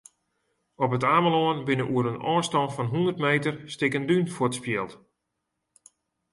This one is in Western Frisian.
Op It Amelân binne oer in ôfstân fan hûndert meter stikken dún fuortspield.